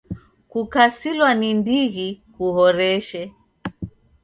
Kukasilwa ni ndighi kuhoreshe!